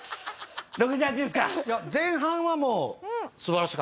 ６８ですか？